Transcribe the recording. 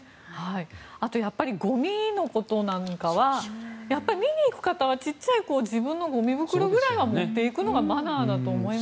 あと、ゴミのことなんかは見に行く方は小さい自分のゴミ袋ぐらいは持っていくのがマナーだと思います。